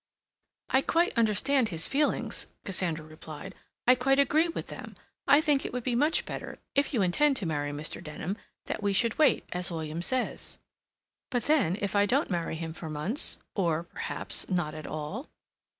"I quite understand his feelings," Cassandra replied. "I quite agree with them. I think it would be much better, if you intend to marry Mr. Denham, that we should wait as William says." "But, then, if I don't marry him for months—or, perhaps, not at all?"